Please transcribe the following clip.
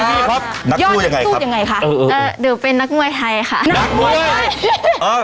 นักสู้ยังไงครับโยชน์นักสู้ยังไงคะเป็นนักมวยไทยค่ะนักมวยไทย